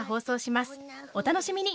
お楽しみに！